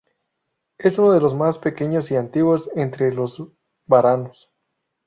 Es uno de los más pequeños y antiguos entre los varanos.